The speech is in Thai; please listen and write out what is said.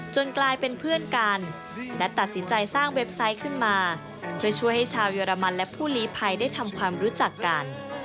กลายเป็นเพื่อนกันและตัดสินใจสร้างเว็บไซต์ขึ้นมาช่วยให้ชาวเยอรมันและผู้ลีภัยได้ทำความรู้จักกัน